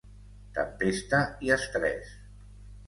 Tempesta i estrès